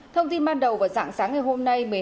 thông tin ban đầu vào dạng sáng ngày hôm nay